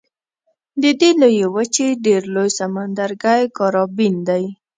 د دې لویې وچې ډېر لوی سمندرګی کارابین دی.